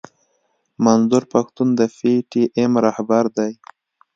منظور پښتين د پي ټي ايم راهبر دی.